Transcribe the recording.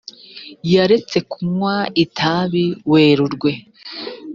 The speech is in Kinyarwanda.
yaretse kunywa itabi werurwe